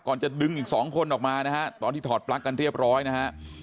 จะดึงอีกสองคนออกมานะฮะตอนที่ถอดปลั๊กกันเรียบร้อยนะฮะ